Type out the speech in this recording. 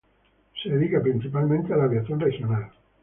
Se dedica principalmente a la aviación regional.